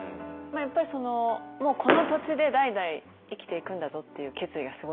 やっぱりそのもうこの土地で代々生きていくんだぞっていう決意がすごいんですよねきっと。